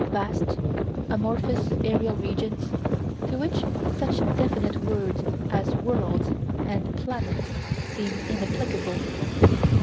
Vast, amorphous aerial regions, to which such definite words as "worlds" and "planets" seem inapplicable.